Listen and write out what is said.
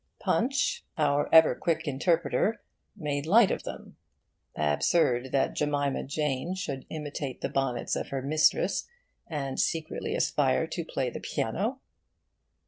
'Punch,' our ever quick interpreter, made light of them. Absurd that Jemima Jane should imitate the bonnets of her mistress and secretly aspire to play the piano!